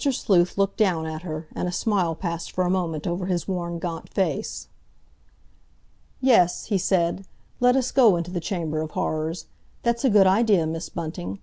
Sleuth looked down at her, and a smile passed for a moment over his worn, gaunt face. "Yes," he said, "let us go into the Chamber of Horrors; that's a good idea, Miss Bunting.